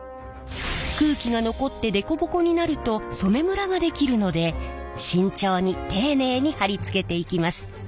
空気が残ってデコボコになると染めむらが出来るので慎重に丁寧に貼り付けていきます。